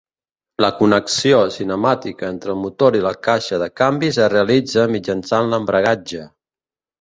La connexió cinemàtica entre el motor i la caixa de canvis es realitza mitjançant l'embragatge.